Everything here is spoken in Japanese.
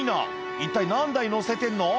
一体何台載せてんの？